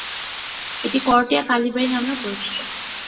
এটি করটিয়া কালীবাড়ি নামেও পরিচিত।